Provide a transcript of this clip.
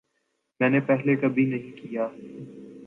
میں نے پہلے کبھی نہیں کیا